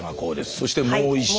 そしてもう一社。